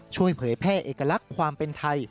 เผยแพร่เอกลักษณ์ความเป็นไทย